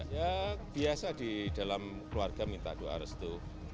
ya biasa di dalam keluarga minta doa harus itu